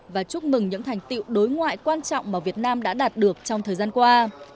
và chúc mừng những thành tiệu đối ngoại quan trọng mà việt nam đã đạt được trong thời gian qua